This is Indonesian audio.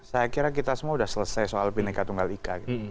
saya kira kita semua sudah selesai soal bineka tunggal ika gitu